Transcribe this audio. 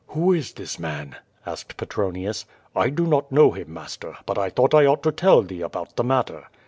"Who is this man?" asked Petronius. "I do not know him, master, but I thought I ought to tell thee about the matter."